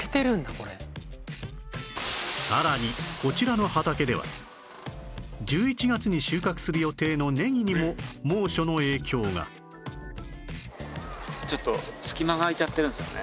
さらにこちらの畑では１１月に収穫する予定のちょっと隙間が空いちゃってるんですよね。